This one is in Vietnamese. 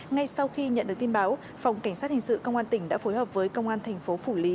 ngay sau khi nhận được tin báo phòng cảnh sát hình sự công an tỉnh đã phối hợp với công an thành phố phủ lý